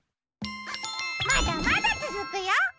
まだまだつづくよ。